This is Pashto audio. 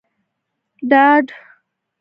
ډاډ